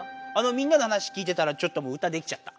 みんなの話聞いてたらちょっともう歌できちゃった。